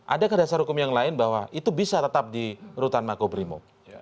adakah dasar hukum yang lain bahwa itu bisa tetap di rutan makobrimo